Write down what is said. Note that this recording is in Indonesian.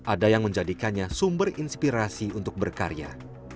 ada yang menjadikannya sumber inspirasi untuk berkarya